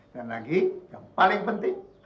dan lagi yang paling penting